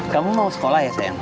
kamu mau sekolah ya sayang